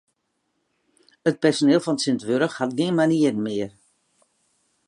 It personiel fan tsjintwurdich hat gjin manieren mear.